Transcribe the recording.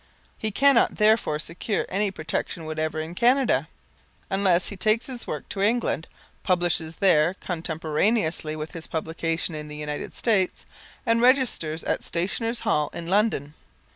He cannot, therefore, secure any protection whatever in Canada, unless he takes his work to England, publishes there contemporaneously with his publication in the United States, and registers at Stationers' Hall in London.